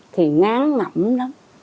thì ngán ngẩm lắm